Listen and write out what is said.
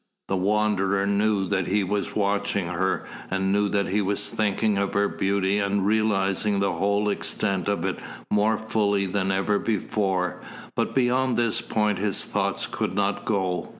The Wanderer knew that he was watching her, and knew that he was thinking of her beauty and realising the whole extent of it more fully than ever before, but beyond this point his thoughts could not go.